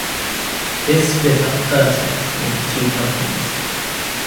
This split up Pertec into two companies.